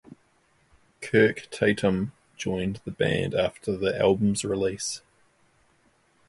Kirk Tatom joined the band after the album's release.